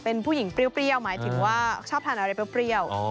เป็นผู้หญิงเปรี้ยวหมายถึงว่าชอบทานอะไรเปรี้ยว